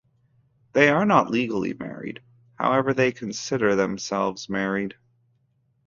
They are not legally married, however they consider themselves married.